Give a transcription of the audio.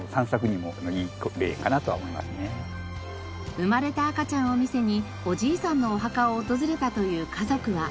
生まれた赤ちゃんを見せにおじいさんのお墓を訪れたという家族は。